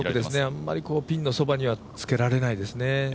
あんまりピンのそばにはつけられないですね。